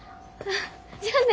じゃあね。